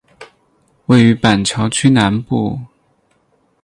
位于板桥区南部。